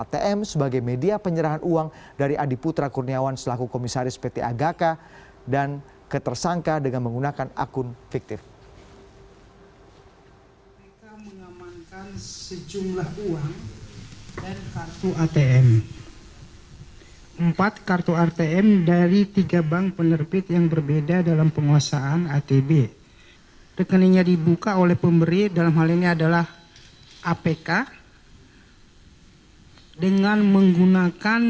dibandingkan dengan upaya mendorong kemampuan penyelidikan penyelidikan dan penuntutan kpk sama sekali tidak berpedoman pada kuhab dan mengabaikan